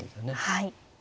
はい。